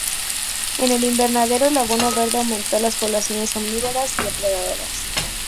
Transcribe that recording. En el invernadero, el abono verde aumentó las poblaciones omnívoras y depredadoras.